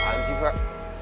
kasihan sih pak